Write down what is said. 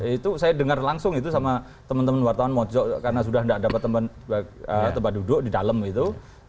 itu saya dengar langsung itu sama teman teman wartawan mojok karena sudah tidak dapat tempat duduk di dalam itu